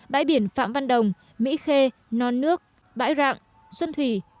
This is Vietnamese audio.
bãi biển phạm văn đồng mỹ khê non nước bãi rạng xuân thủy